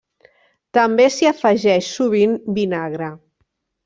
També s'hi afegeix sovint vinagre.